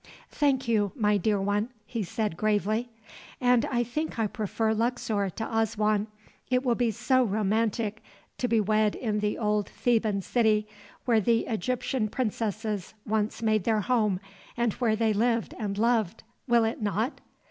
"Thank you, my dear one," he said, gravely. "And I think I prefer Luxor to Aswan. It will be so romantic to be wed in the old Theban city, where the Egyptian princesses once made their home and where they lived and loved, will it not?"